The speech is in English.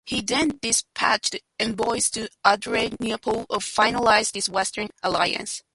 He then dispatched envoys to Adrianople to finalize this Western alliance.